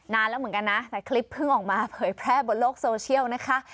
นานแล้วเหมือนกันนะแต่คลิปเพิ่งออกมาเผยแพร่บนโลกโซเชียลนะคะ